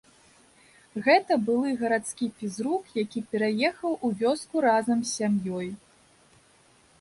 Гэта былы гарадскі фізрук, які пераехаў у вёску разам з сям'ёй.